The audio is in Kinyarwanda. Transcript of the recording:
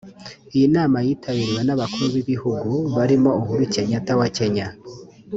Iyi nama yitabiriwe n’Abakuru b’ibihugu barimo Uhuru Kenyatta wa Kenya